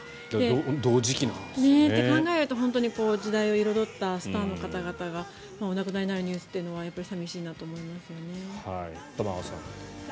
同時期なんですよね。と考えると時代を彩ったスターの方々がお亡くなりになるニュースというのは玉川さん。